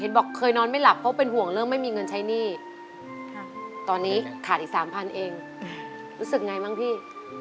บอกเคยนอนไม่หลับเพราะเป็นห่วงเรื่องไม่มีเงินใช้หนี้ตอนนี้ขาดอีกสามพันเองรู้สึกไงบ้างพี่